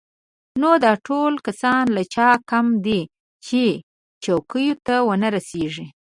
نو دا ټول کسان له چا کم دي چې چوکیو ته ونه رسېږي.